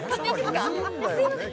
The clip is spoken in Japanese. すみません